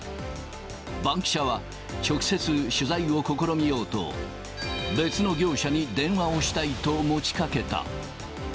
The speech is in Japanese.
バンキシャは直接、取材を試みようと、別の業者に電話をしたいと持ち掛けた。